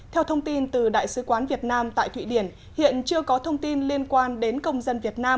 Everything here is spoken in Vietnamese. theo thông tin từ đại sứ quán việt nam tại thụy điển hiện chưa có thông tin liên quan đến công dân việt nam